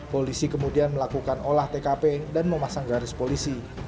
polisi kemudian melakukan olah tkp dan memasang garis polisi